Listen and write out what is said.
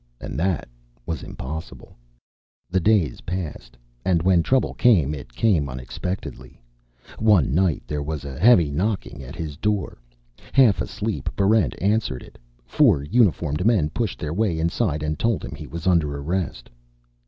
And that was impossible. The days passed, and when trouble came, it came unexpectedly. One night there was a heavy knocking at his door. Half asleep, Barrent answered it. Four uniformed men pushed their way inside and told him he was under arrest.